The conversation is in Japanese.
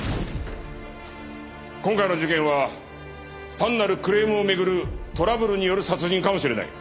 今回の事件は単なるクレームを巡るトラブルによる殺人かもしれない。